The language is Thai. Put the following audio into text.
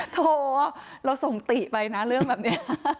โถเราส่งติไปนะเรื่องแบบนี้